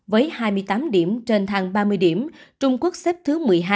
với hai mươi tám điểm trên thang ba mươi điểm trung quốc xếp thứ một mươi hai